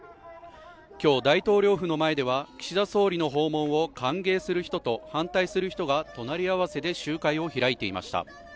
今日、大統領府の前では岸田総理の訪問を歓迎する人と反対する人が隣り合わせで集会を開いていました。